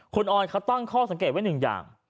คุณออยเขาตั้งข้อสังเกตไว้หนึ่งอย่าง